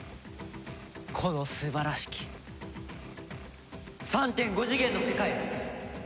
この素晴らしき３．５次元の世界を！